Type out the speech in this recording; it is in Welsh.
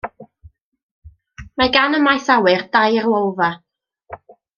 Mae gan y maes awyr dair lolfa.